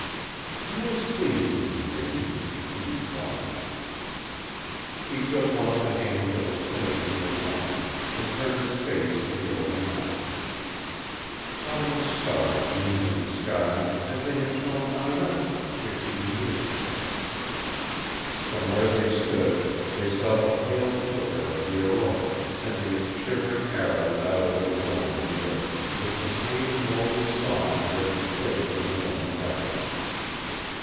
"I was pleased with you, Mélisse," he replied. He took one of the hands that was clinging to his arm, and turned his face to the open night. Countless stars gleamed in the sky, as they had shone on another night fifteen years ago. From where they stood they saw the pale flicker of the aurora, sending its shivering arrows out over the dome of the earth, with the same lonely song that it had played when the woman died.